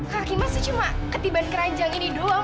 kakak kakak cuma ketiban keranjang ini doang